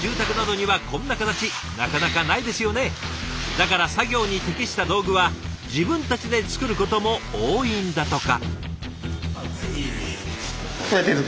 だから作業に適した道具は自分たちで作ることも多いんだとか。